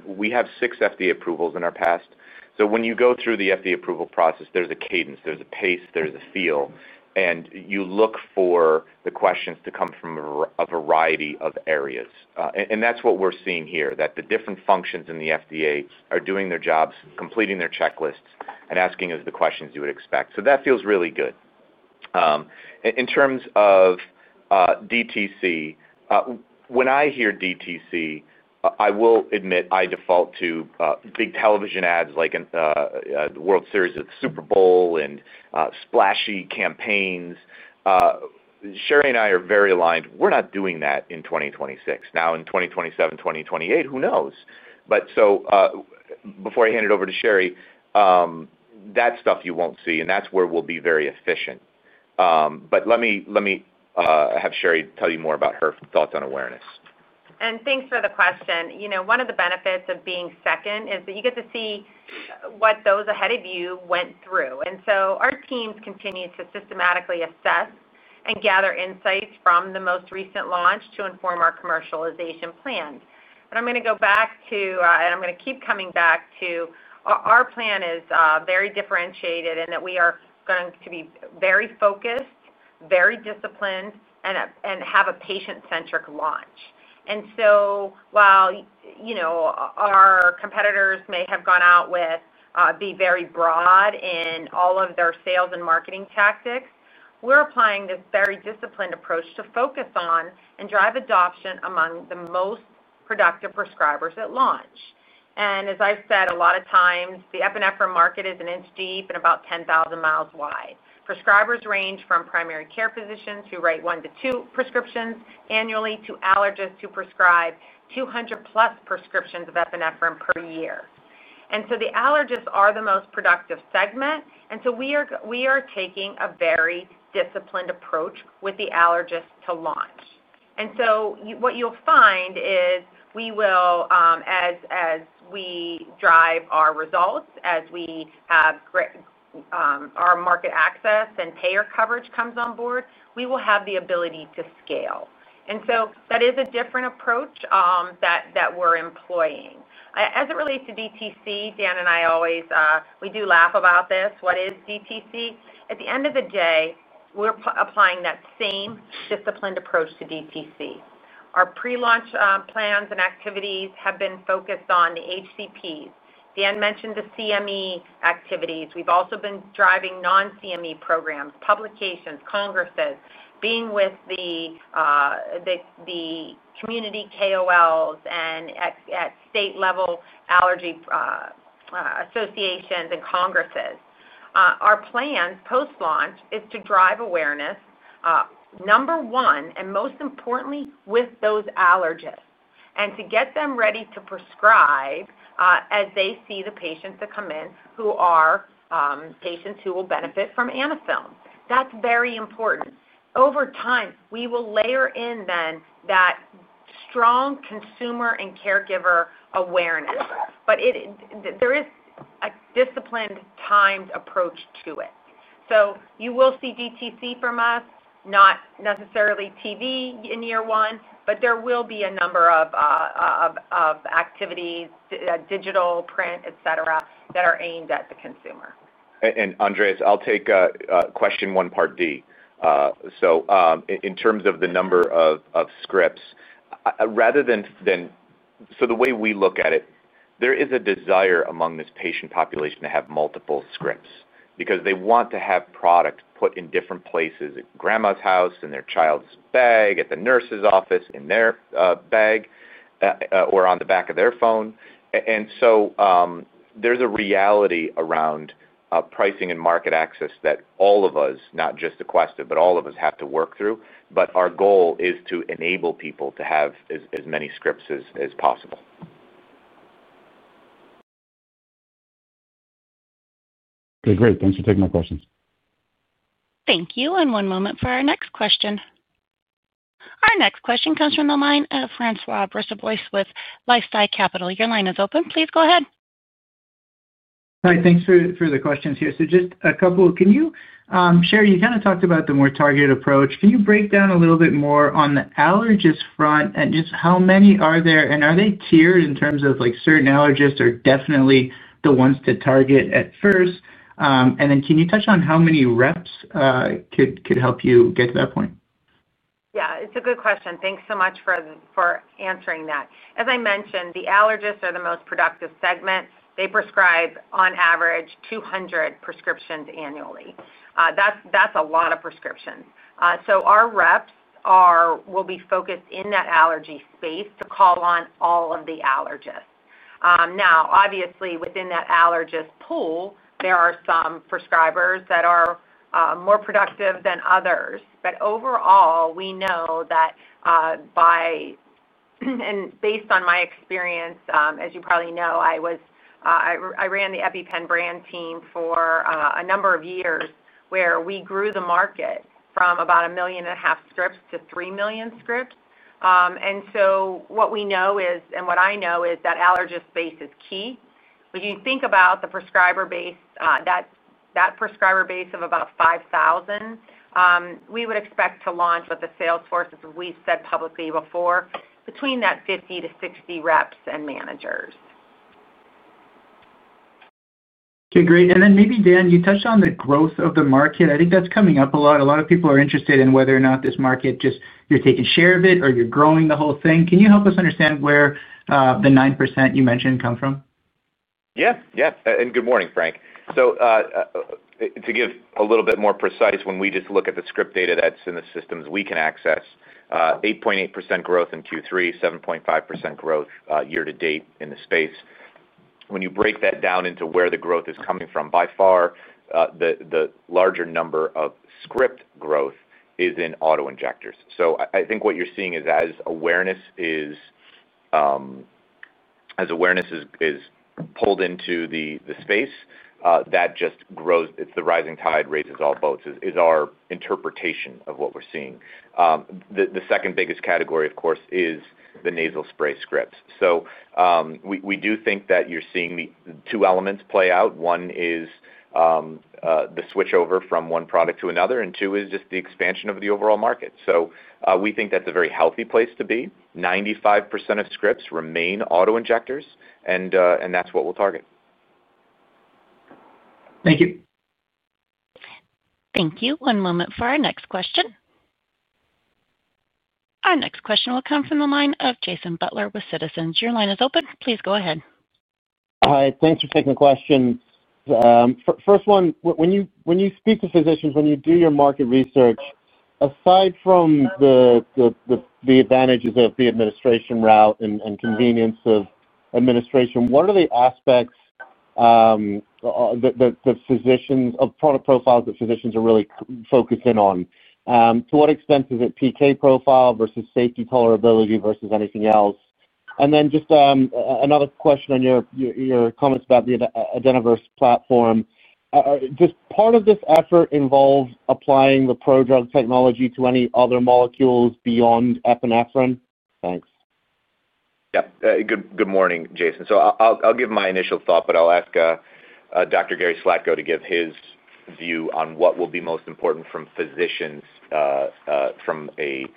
we have six FDA approvals in our past. When you go through the FDA approval process, there is a cadence. There is a pace. There is a feel. You look for the questions to come from a variety of areas. That is what we are seeing here, that the different functions in the FDA are doing their jobs, completing their checklists, and asking us the questions you would expect. That feels really good. In terms of DTC, when I hear DTC, I will admit I default to big television ads like the World Series or the Super Bowl and splashy campaigns. Sherry and I are very aligned. We are not doing that in 2026. In 2027, 2028, who knows? Before I hand it over to Sherry, that stuff you will not see. That is where we will be very efficient. Let me. Have Sherry tell you more about her thoughts on awareness. Thanks for the question. One of the benefits of being second is that you get to see what those ahead of you went through. Our teams continue to systematically assess and gather insights from the most recent launch to inform our commercialization plan. I am going to go back to—and I am going to keep coming back to—our plan is very differentiated in that we are going to be very focused, very disciplined, and have a patient-centric launch. While our competitors may have gone out with, be very broad in all of their sales and marketing tactics, we are applying this very disciplined approach to focus on and drive adoption among the most productive prescribers at launch. As I said, a lot of times, the epinephrine market is an inch deep and about 10,000 miles wide. Prescribers range from primary care physicians who write one to two prescriptions annually to allergists who prescribe 200-plus prescriptions of epinephrine per year. The allergists are the most productive segment. We are taking a very disciplined approach with the allergists to launch. What you'll find is we will, as we drive our results, as we have our market access and payer coverage come on board, we will have the ability to scale. That is a different approach that we're employing. As it relates to DTC, Dan and I always—we do laugh about this—what is DTC? At the end of the day, we're applying that same disciplined approach to DTC. Our pre-launch plans and activities have been focused on the HCPs. Dan mentioned the CME activities. We've also been driving non-CME programs, publications, congresses, being with the community KOLs and at state-level allergy associations and congresses. Our plan post-launch is to drive awareness, number one, and most importantly, with those allergists, and to get them ready to prescribe as they see the patients that come in who are patients who will benefit from Anaphylm. That's very important. Over time, we will layer in then that strong consumer and caregiver awareness. There is a disciplined timed approach to it. You will see DTC from us, not necessarily TV in year one, but there will be a number of activities, digital, print, etc., that are aimed at the consumer. Andreas, I'll take question one part D. In terms of the number of scripts, rather than—the way we look at it, there is a desire among this patient population to have multiple scripts because they want to have product put in different places: at grandma's house, in their child's bag, at the nurse's office, in their bag, or on the back of their phone. There is a reality around pricing and market access that all of us, not just Aquestive, but all of us have to work through. Our goal is to enable people to have as many scripts as possible. Okay. Great. Thanks for taking my questions. Thank you. One moment for our next question. Our next question comes from the line of François Brisebois with LifeSci Capital. Your line is open. Please go ahead. Hi. Thanks for the questions here. Just a couple—can you share? You kind of talked about the more targeted approach. Can you break down a little bit more on the allergist front and just how many are there? Are they tiered in terms of certain allergists are definitely the ones to target at first? Can you touch on how many reps could help you get to that point? Yeah. It's a good question. Thanks so much for answering that. As I mentioned, the allergists are the most productive segment. They prescribe, on average, 200 prescriptions annually. That's a lot of prescriptions. Our reps will be focused in that allergy space to call on all of the allergists. Now, obviously, within that allergist pool, there are some prescribers that are more productive than others. Overall, we know that. By— And based on my experience, as you probably know, I ran the EpiPen brand team for a number of years where we grew the market from about 1.5 million scripts to 3 million scripts. What we know is—and what I know is—that allergist base is key. When you think about the prescriber base, that prescriber base of about 5,000. We would expect to launch with the sales forces, as we've said publicly before, between that 50-60 reps and managers. Okay. Great. Maybe, Dan, you touched on the growth of the market. I think that's coming up a lot. A lot of people are interested in whether or not this market just—you're taking share of it or you're growing the whole thing. Can you help us understand where the 9% you mentioned come from? Yes. Yes. Good morning, Franc. To get a little bit more precise, when we just look at the script data that's in the systems we can access. 8.8% growth in Q3, 7.5% growth year to date in the space. When you break that down into where the growth is coming from, by far. The larger number of script growth is in autoinjectors. I think what you're seeing is, as awareness is pulled into the space, that just grows—it's the rising tide raises all boats—is our interpretation of what we're seeing. The second biggest category, of course, is the nasal spray scripts. We do think that you're seeing the two elements play out. One is the switchover from one product to another, and two is just the expansion of the overall market. We think that's a very healthy place to be. 95% of scripts remain autoinjectors, and that's what we'll target. Thank you. Thank you. One moment for our next question. Our next question will come from the line of Jason Butler with Citizens. Your line is open. Please go ahead. Hi. Thanks for taking the question. First one, when you speak to physicians, when you do your market research. Aside from the advantages of the administration route and convenience of administration, what are the aspects of product profiles that physicians are really focused in on? To what extent is it PK profile versus safety tolerability versus anything else? And then just another question on your comments about the Adrenaverse platform. Does part of this effort involve applying the pro-drug technology to any other molecules beyond epinephrine? Thanks. Yep. Good morning, Jason. So I'll give my initial thought, but I'll ask Dr. Gary Slatko to give his view on what will be most important from physicians. From an.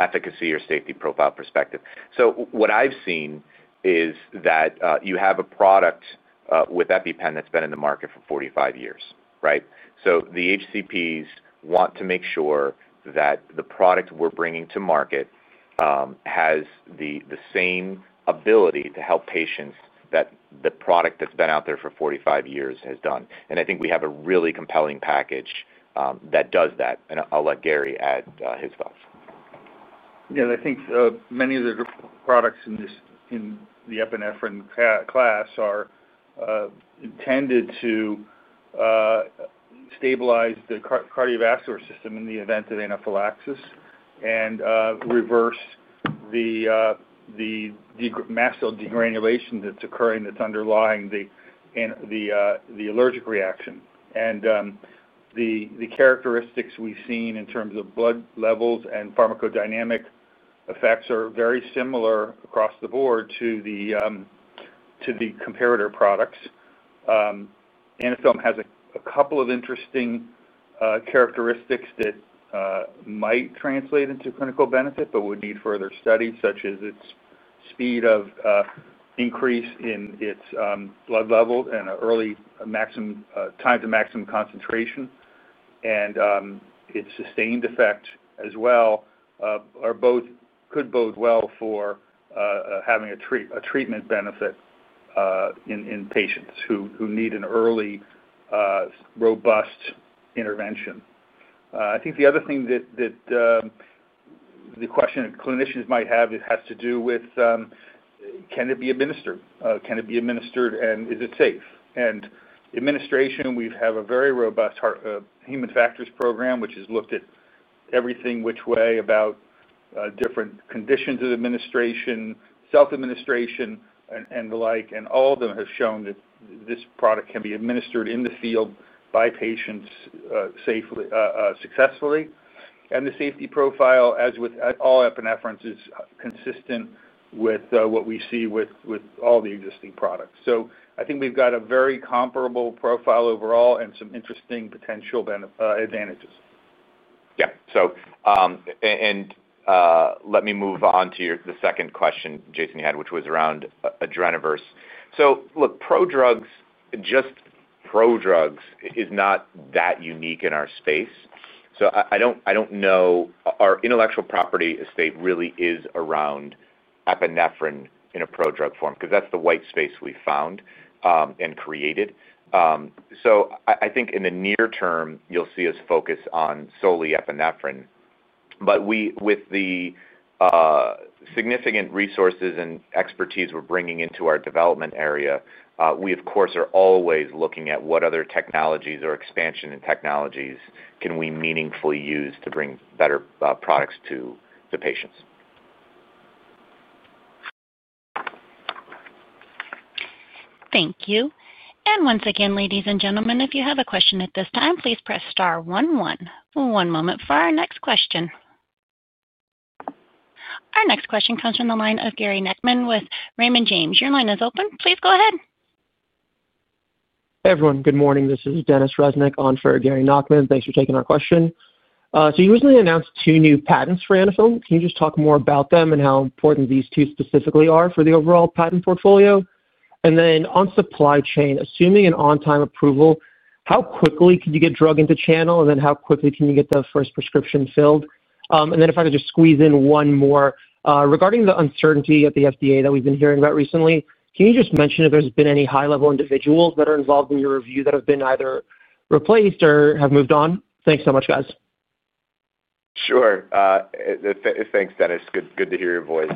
Efficacy or safety profile perspective. What I've seen is that you have a product with EpiPen that's been in the market for 45 years, right? The HCPs want to make sure that the product we're bringing to market has the same ability to help patients that the product that's been out there for 45 years has done. I think we have a really compelling package that does that. I'll let Gary add his thoughts. Yeah. I think many of the products in the epinephrine class are intended to stabilize the cardiovascular system in the event of anaphylaxis and reverse the mast cell degranulation that's occurring that's underlying the allergic reaction. The characteristics we've seen in terms of blood levels and pharmacodynamic effects are very similar across the board to the comparator products. Anaphylm has a couple of interesting characteristics that. Might translate into clinical benefit but would need further studies, such as its speed of increase in its blood levels and early time to maximum concentration and its sustained effect as well. Could bode well for having a treatment benefit in patients who need an early, robust intervention. I think the other thing that the question clinicians might have has to do with, can it be administered? Can it be administered, and is it safe? In administration, we have a very robust human factors program, which has looked at everything which way about different conditions of administration, self-administration, and the like. All of them have shown that this product can be administered in the field by patients successfully. The safety profile, as with all epinephrines, is consistent with what we see with all the existing products. I think we've got a very comparable profile overall and some interesting potential advantages. Let me move on to the second question, Jason, you had, which was around Adrenaverse. Look, pro-drugs, just pro-drugs, is not that unique in our space. I don't know. Our intellectual property estate really is around epinephrine in a pro-drug form because that's the white space we found and created. I think in the near term, you'll see us focus on solely epinephrine. With the significant resources and expertise we're bringing into our development area, we, of course, are always looking at what other technologies or expansion in technologies can we meaningfully use to bring better products to the patients. Thank you. Once again, ladies and gentlemen, if you have a question at this time, please press star one one. One moment for our next question. Our next question comes from the line of Gary Nachman with Raymond James. Your line is open. Please go ahead. Hey, everyone. Good morning. This is Denis Reznikon for Gary Nachman. Thanks for taking our question. You recently announced two new patents for Anaphylm. Can you just talk more about them and how important these two specifically are for the overall patent portfolio? On supply chain, assuming an on-time approval, how quickly can you get drug into channel, and how quickly can you get the first prescription filled? If I could just squeeze in one more regarding the uncertainty at the FDA that we've been hearing about recently, can you just mention if there's been any high-level individuals that are involved in your review that have been either replaced or have moved on? Thanks so much, guys. Sure. Thanks, Dennis. Good to hear your voice.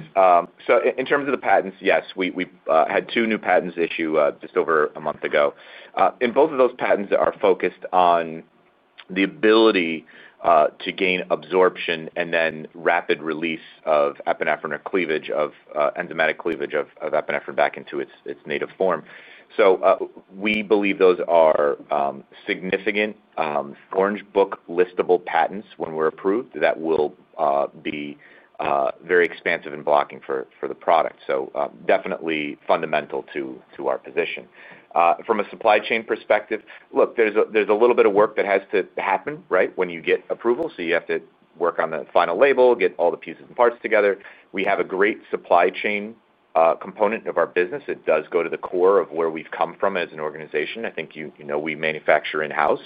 In terms of the patents, yes, we had two new patents issue just over a month ago. In both of those patents, they are focused on the ability to gain absorption and then rapid release of epinephrine or enzymatic cleavage of epinephrine back into its native form. We believe those are significant Orange Book-listable patents when we're approved that will be very expansive in blocking for the product. Definitely fundamental to our position. From a supply chain perspective, look, there's a little bit of work that has to happen, right, when you get approval. You have to work on the final label, get all the pieces and parts together. We have a great supply chain component of our business. It does go to the core of where we've come from as an organization. I think you know we manufacture in-house.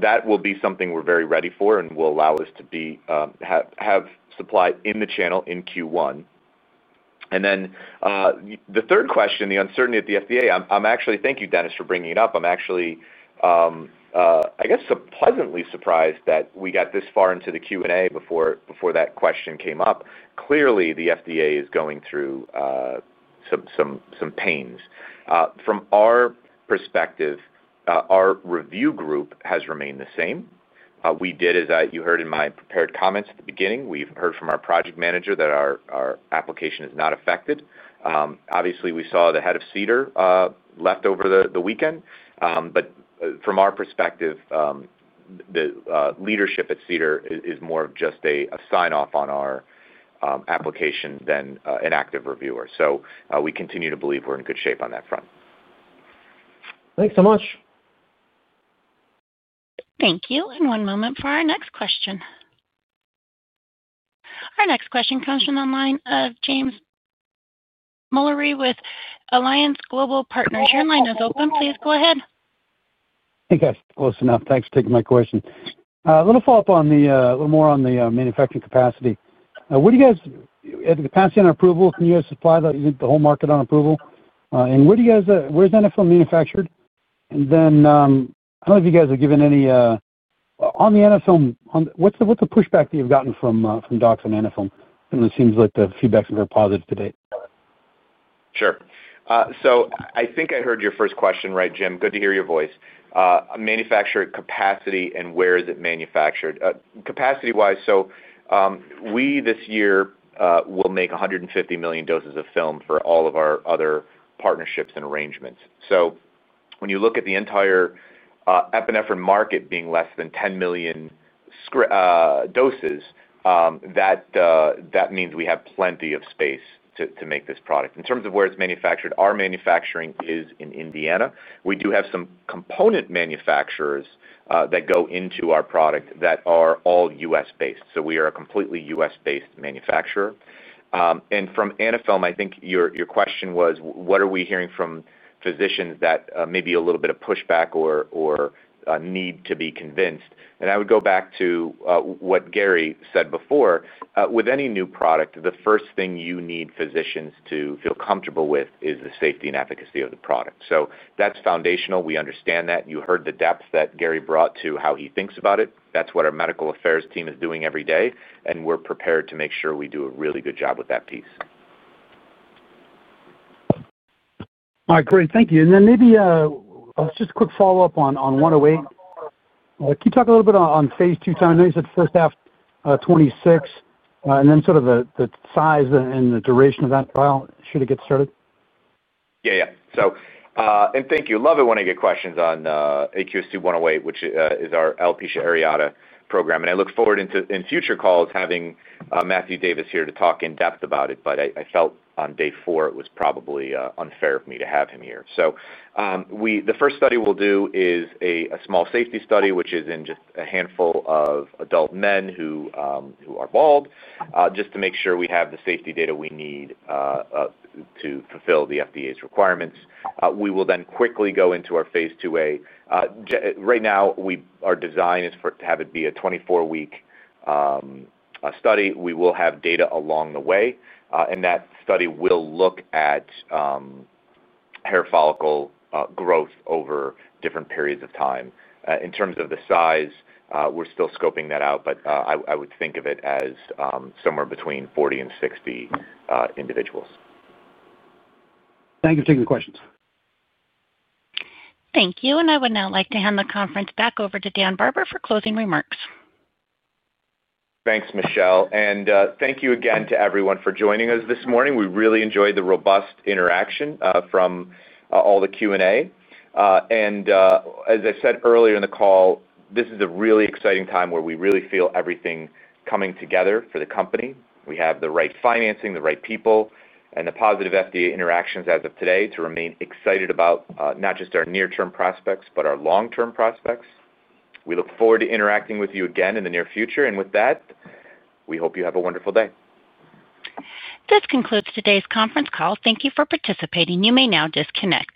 That will be something we're very ready for and will allow us to have supply in the channel in Q1. The third question, the uncertainty at the FDA, I'm actually—thank you, Denis, for bringing it up. I'm actually, I guess, pleasantly surprised that we got this far into the Q&A before that question came up. Clearly, the FDA is going through some pains. From our perspective, our review group has remained the same. We did, as you heard in my prepared comments at the beginning, we've heard from our project manager that our application is not affected. Obviously, we saw the head of CDER left over the weekend. From our perspective, the leadership at CDER is more of just a sign-off on our application than an active reviewer. We continue to believe we're in good shape on that front. Thanks so much. Thank you. One moment for our next question. Our next question comes from the line of James Molloy with Alliance Global Partners. Your line is open. Please go ahead. Hey, guys. Close enough. Thanks for taking my question. A little follow-up on the—a little more on the manufacturing capacity. What do you guys—the capacity on approval? Can you guys supply the whole market on approval? And where's Anaphylm manufactured? I don't know if you guys have given any. On the Anaphylm, what's the pushback that you've gotten from docs on Anaphylm? It seems like the feedback's been very positive to date. Sure. I think I heard your first question right, Jim. Good to hear your voice. Manufacturer capacity and where is it manufactured? Capacity-wise, so. We this year will make 150 million doses of film for all of our other partnerships and arrangements. When you look at the entire epinephrine market being less than 10 million doses, that means we have plenty of space to make this product. In terms of where it's manufactured, our manufacturing is in Indiana. We do have some component manufacturers that go into our product that are all U.S.-based. We are a completely U.S.-based manufacturer. From Anaphylm, I think your question was, what are we hearing from physicians that may be a little bit of pushback or need to be convinced? I would go back to what Gary said before. With any new product, the first thing you need physicians to feel comfortable with is the safety and efficacy of the product. That's foundational. We understand that. You heard the depth that Gary brought to how he thinks about it. That is what our medical affairs team is doing every day. We are prepared to make sure we do a really good job with that piece. All right. Great. Thank you. Maybe just a quick follow-up on 108. Can you talk a little bit on phase two timing? I know you said first half 2026, and then sort of the size and the duration of that trial should it get started? Yeah. Yeah. Thank you. Love it when I get questions on AQST-108, which is our alopecia areata program. I look forward in future calls to having Matthew Davis here to talk in depth about it, but I felt on day four it was probably unfair of me to have him here. So. The first study we'll do is a small safety study, which is in just a handful of adult men who are bald, just to make sure we have the safety data we need to fulfill the FDA's requirements. We will then quickly go into our phase two A. Right now, our design is to have it be a 24-week study. We will have data along the way. That study will look at hair follicle growth over different periods of time. In terms of the size, we're still scoping that out, but I would think of it as somewhere between 40-60 individuals. Thank you for taking the questions. Thank you. I would now like to hand the conference back over to Dan Barber for closing remarks. Thanks, Michelle. Thank you again to everyone for joining us this morning. We really enjoyed the robust interaction from. All the Q&A. As I said earlier in the call, this is a really exciting time where we really feel everything coming together for the company. We have the right financing, the right people, and the positive FDA interactions as of today to remain excited about not just our near-term prospects, but our long-term prospects. We look forward to interacting with you again in the near future. With that, we hope you have a wonderful day. This concludes today's conference call. Thank you for participating. You may now disconnect.